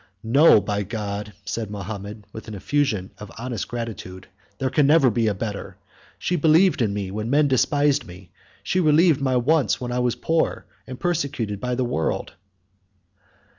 "No, by God," said Mahomet, with an effusion of honest gratitude, "there never can be a better! She believed in me when men despised me; she relieved my wants, when I was poor and persecuted by the world."